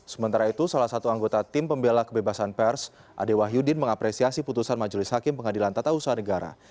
sementara itu salah satu anggota tim pembela kebebasan pers ade wahyudin mengapresiasi putusan majelis hakim pengadilan tata usaha negara